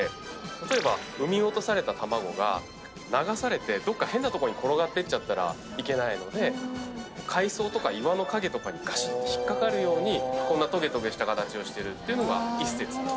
例えば産み落とされた卵が流されてどっか変な所に転がってったらいけないので海藻とか岩の陰とかにがしって引っ掛かるようにこんなとげとげした形をしてるっていうのが一説。